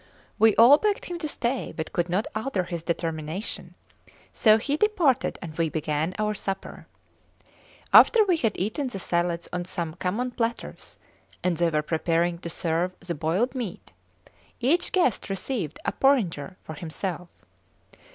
We all begged him to stay, but could not alter his determination; so he departed and we began our supper. After we had eaten the salads on some common platters, and they were preparing to serve the boiled meat, each guest received a porringer for himself.